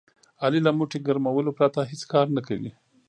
علي له موټي ګرمولو پرته هېڅ کار نه کوي.